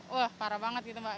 wah parah banget gitu mbak